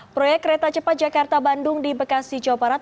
proyek kereta cepat jakarta bandung di bekasi jawa barat